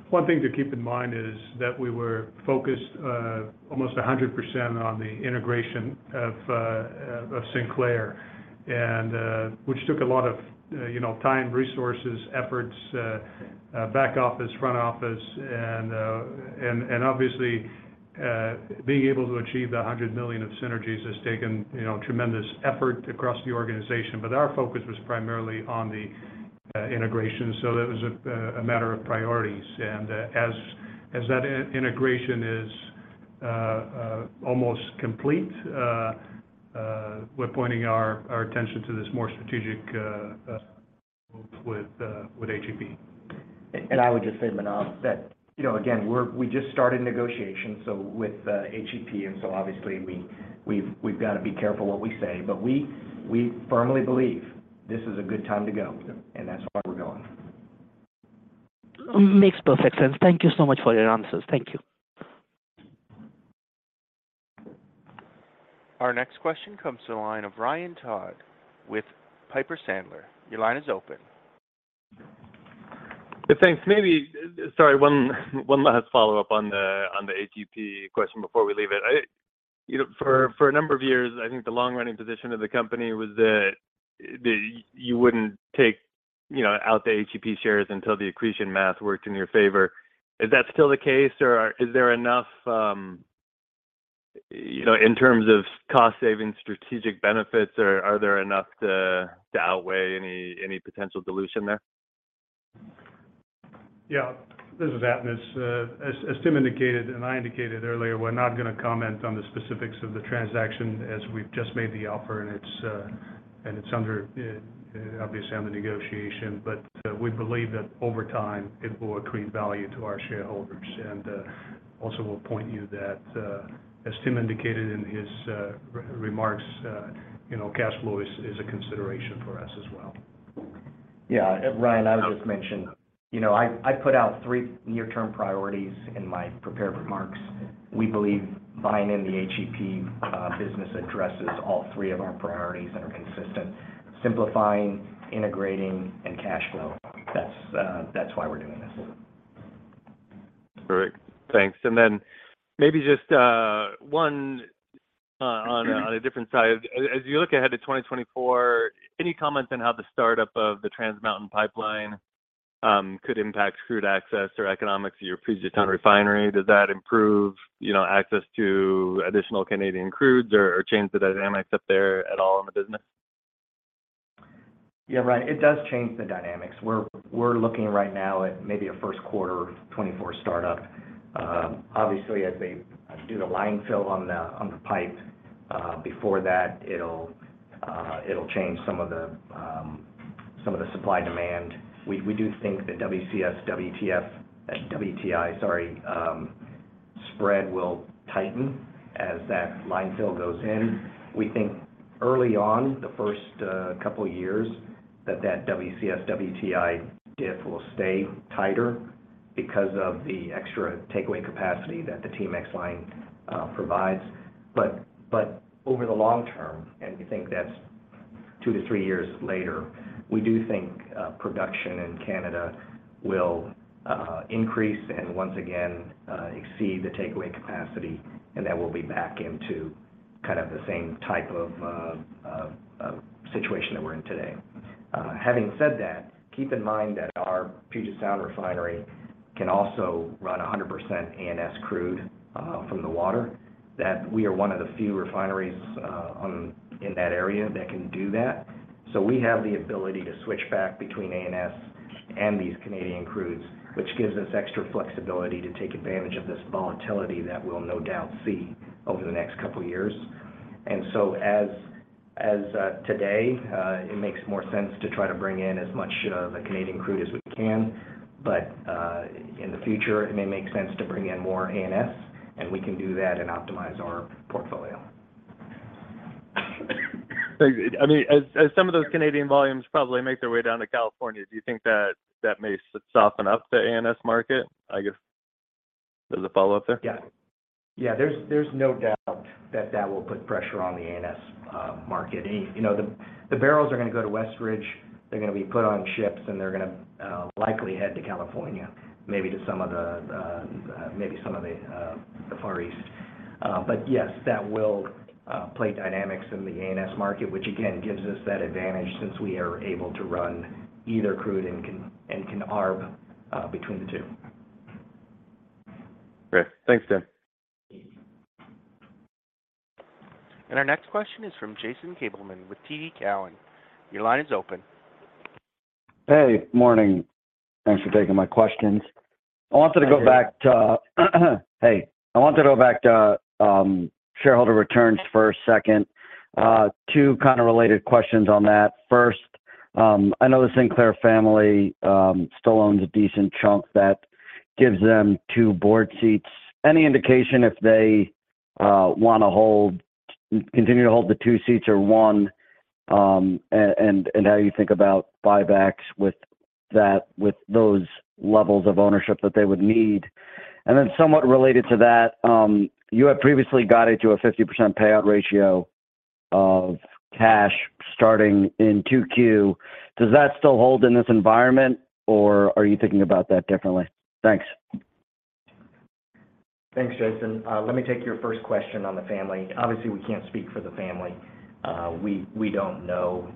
D: One thing to keep in mind is that we were focused almost 100% on the integration of Sinclair and which took a lot of, you know, time, resources, efforts, back office, front office. Obviously, being able to achieve the $100 million of synergies has taken, you know, tremendous effort across the organization. Our focus was primarily on the integration. It was a matter of priorities. As that integration is almost complete, we're pointing our attention to this more strategic with HEP.
C: I would just say, Manav, that, you know, again, we just started negotiations, so with HEP. Obviously we've got to be careful what we say. We firmly believe this is a good time to go, and that's why we're going.
N: Makes perfect sense. Thank you so much for your answers. Thank you.
A: Our next question comes to the line of Ryan Todd with Piper Sandler. Your line is open.
O: Yeah, thanks. Sorry, one last follow-up on the HEP question before we leave it. You know, for a number of years, I think the long-running position of the company was that you wouldn't take, you know, out the HEP shares until the accretion math worked in your favor. Is that still the case, or is there enough, you know, in terms of cost saving, strategic benefits, are there enough to outweigh any potential dilution there?
D: Yeah. This is Atanas. As Tim indicated and I indicated earlier, we're not gonna comment on the specifics of the transaction as we've just made the offer and it's under obviously under negotiation. We believe that over time it will accrete value to our shareholders. Also we'll point you that as Tim indicated in his remarks, you know, cash flow is a consideration for us as well.
C: Yeah. Ryan, I would just mention, you know, I put out three near-term priorities in my prepared remarks. We believe buying in the HEP business addresses all three of our priorities that are consistent: simplifying, integrating, and cash flow. That's why we're doing this.
O: Great. Thanks. Then maybe just one on a different side. As you look ahead to 2024, any comments on how the startup of the Trans Mountain pipeline could impact crude access or economics to your Puget Sound refinery? Does that improve, you know, access to additional Canadian crudes or change the dynamics up there at all in the business?
C: Yeah, Ryan, it does change the dynamics. We're looking right now at maybe a first quarter 2024 startup. Obviously, as they do the line fill on the pipe, it'll change some of the supply-demand. We do think the WCS WTI, sorry, spread will tighten as that line fill goes in. We think early on, the first couple years, that WCS WTI diff will stay tighter because of the extra takeaway capacity that the TMX line provides. Over the long term, and we think that's 2 to 3 years later, we do think production in Canada will increase and once again exceed the takeaway capacity, and then we'll be back into kind of the same type of situation that we're in today. Having said that, keep in mind that our Puget Sound refinery can also run 100% ANS crude, from the water, that we are one of the few refineries, in that area that can do that. We have the ability to switch back between ANS and these Canadian crudes, which gives us extra flexibility to take advantage of this volatility that we'll no doubt see over the next couple years. As today, it makes more sense to try to bring in as much the Canadian crude as we can. In the future, it may make sense to bring in more ANS, and we can do that and optimize our portfolio.
O: I mean, as some of those Canadian volumes probably make their way down to California, do you think that that may soften up the ANS market, I guess, as a follow-up there?
C: Yeah. Yeah, there's no doubt that that will put pressure on the ANS market. You know, the barrels are gonna go to Westridge. They're gonna be put on ships, and they're gonna likely head to California, maybe to some of the, maybe some of the Far East. Yes, that will play dynamics in the ANS market, which again, gives us that advantage since we are able to run either crude and can arb between the two.
O: Great. Thanks, Tim.
A: Our next question is from Jason Gabelman with TD Cowen. Your line is open.
P: Hey. Morning. Thanks for taking my questions.
C: Hi, Jason.
P: I wanted to go back to. Hey. I wanted to go back to shareholder returns for a second. Two kind of related questions on that. First, I know the Sinclair family still owns a decent chunk that gives them two board seats. Any indication if they continue to hold the two seats or one, and how you think about buybacks with that with those levels of ownership that they would need? Somewhat related to that, you have previously guided to a 50% payout ratio of cash starting in two Q. Does that still hold in this environment, or are you thinking about that differently? Thanks.
C: Thanks, Jason. Let me take your first question on the Family. Obviously, we can't speak for the Family. We don't know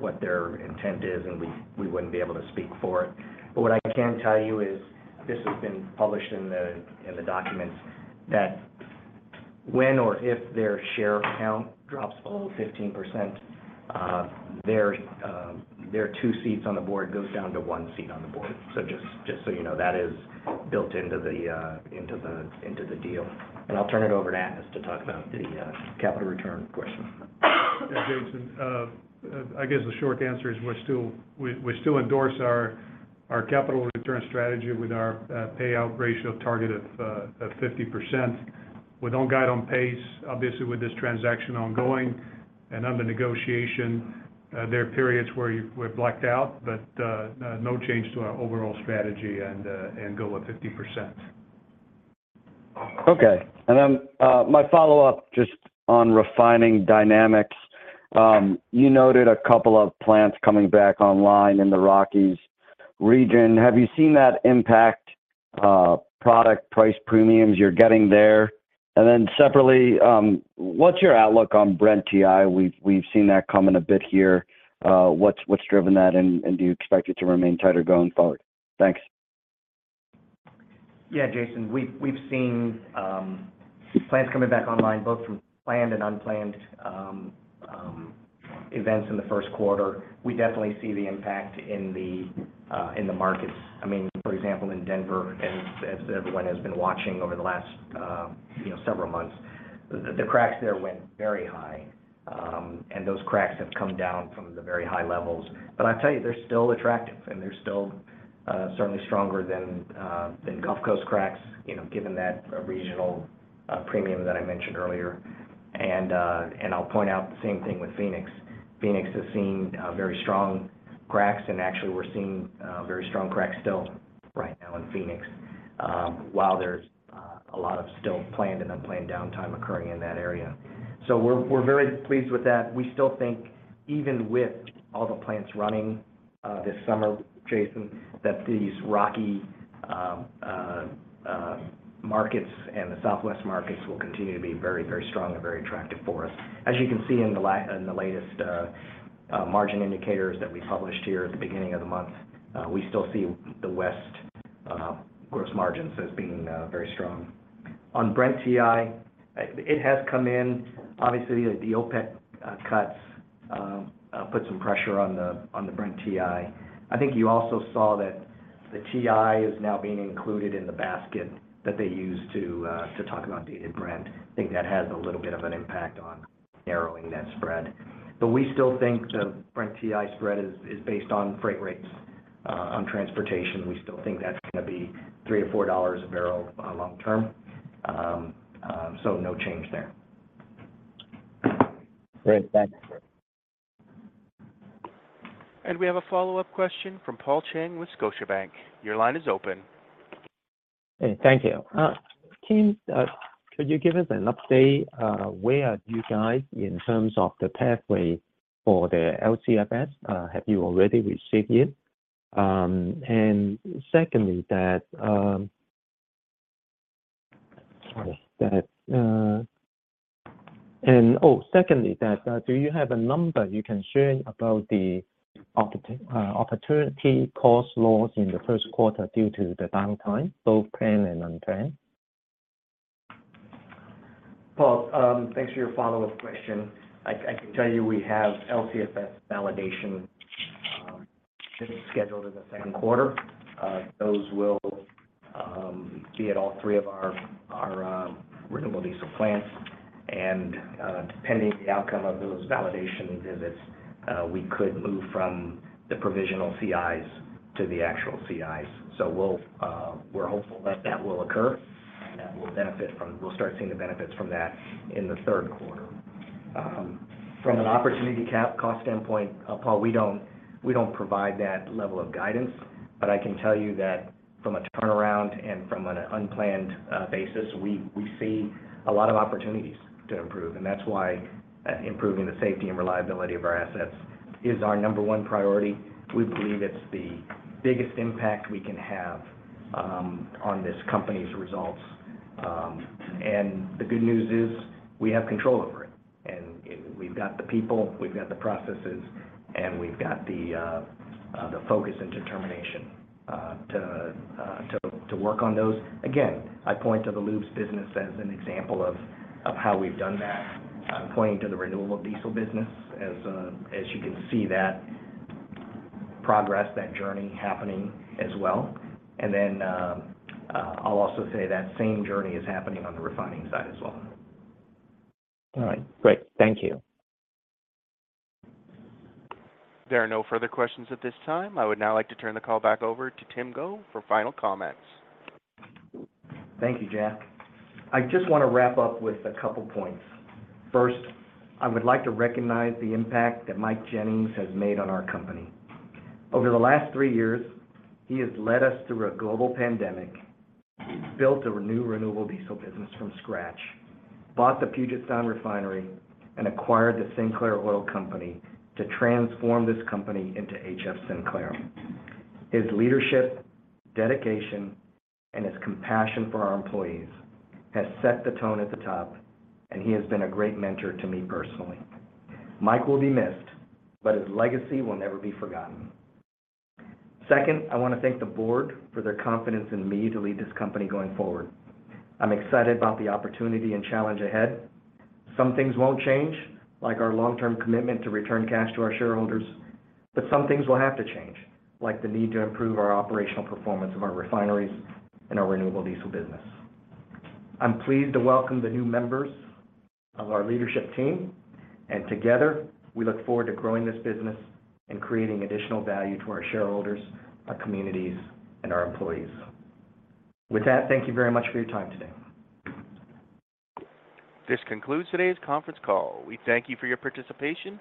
C: what their intent is, and we wouldn't be able to speak for it. What I can tell you is, this has been published in the documents, that when or if their share count drops below 15%, their 2 seats on the board goes down to 1 seat on the board. Just so you know, that is built into the deal. I'll turn it over to Atanas to talk about the capital return question.
D: Yeah, Jason. I guess the short answer is we still endorse our capital return strategy with our payout ratio target of 50%. We don't guide on pace, obviously, with this transaction ongoing and under negotiation. There are periods where we've blacked out, but no change to our overall strategy and goal of 50%.
P: Okay. My follow-up just on refining dynamics. You noted a couple of plants coming back online in the Rockies region. Have you seen that impact, product price premiums you're getting there? Separately, what's your outlook on Brent WTI? We've seen that come in a bit here. What's driven that, and do you expect it to remain tighter going forward? Thanks.
C: Yeah, Jason, we've seen plants coming back online, both from planned and unplanned events in the first quarter. We definitely see the impact in the markets. I mean, for example, in Denver, as everyone has been watching over the last, you know, several months, the cracks there went very high. Those cracks have come down from the very high levels. I tell you, they're still attractive, and they're still certainly stronger than Gulf Coast cracks, you know, given that regional premium that I mentioned earlier. I'll point out the same thing with Phoenix. Phoenix has seen very strong cracks, and actually, we're seeing very strong cracks still right now in Phoenix. A lot of still planned and unplanned downtime occurring in that area. We're very pleased with that. We still think even with all the plants running this summer, Jason Gabelman, that these Rocky markets and the Southwest markets will continue to be very, very strong and very attractive for us. As you can see in the latest margin indicators that we published here at the beginning of the month, we still see the West gross margins as being very strong. On Brent/WTI, it has come in. Obviously, the OPEC cuts put some pressure on the Brent/WTI. I think you also saw that the WTI is now being included in the basket that they use to talk about Dated Brent. I think that has a little bit of an impact on narrowing that spread. We still think the Brent WTI spread is based on freight rates, on transportation. We still think that's gonna be $3-$4 a barrel, long term. No change there.
Q: Great. Thanks.
A: We have a follow-up question from Paul Cheng with Scotiabank. Your line is open.
I: Hey, thank you. Tim, could you give us an update, where are you guys in terms of the pathway for the LCFS? Have you already received it? Secondly, do you have a number you can share about the opportunity cost loss in the first quarter due to the downtime, both planned and unplanned?
C: Paul, thanks for your follow-up question. I can tell you we have LCFS validation scheduled in the second quarter. Those will be at all three of our renewable diesel plants. Depending on the outcome of those validation visits, we could move from the provisional CIs to the actual CIs. We're hopeful that that will occur, and that we'll start seeing the benefits from that in the third quarter. From an opportunity cost standpoint, Paul, we don't provide that level of guidance. I can tell you that from a turnaround and from an unplanned basis, we see a lot of opportunities to improve. Improving the safety and reliability of our assets is our number one priority. We believe it's the biggest impact we can have on this company's results. The good news is we have control over it, and we've got the people, we've got the processes, and we've got the focus and determination to work on those. Again, I point to the lubes business as an example of how we've done that. I'm pointing to the renewable diesel business as you can see that progress, that journey happening as well. I'll also say that same journey is happening on the refining side as well.
I: All right. Great. Thank you.
A: There are no further questions at this time. I would now like to turn the call back over to Timothy Go for final comments.
C: Thank you, Jack. I just wanna wrap up with a couple points. First, I would like to recognize the impact that Mike Jennings has made on our company. Over the last three years, he has led us through a global pandemic, built a new renewable diesel business from scratch, bought the Puget Sound Refinery, and acquired the Sinclair Oil Company to transform this company into HF Sinclair. His leadership, dedication, and his compassion for our employees has set the tone at the top, and he has been a great mentor to me personally. Mike will be missed, but his legacy will never be forgotten. Second, I wanna thank the board for their confidence in me to lead this company going forward. I'm excited about the opportunity and challenge ahead. Some things won't change, like our long-term commitment to return cash to our shareholders, but some things will have to change, like the need to improve our operational performance of our refineries and our renewable diesel business. I'm pleased to welcome the new members of our leadership team, and together we look forward to growing this business and creating additional value to our shareholders, our communities, and our employees. With that, thank you very much for your time today.
A: This concludes today's conference call. We thank you for your participation.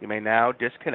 A: You may now disconnect.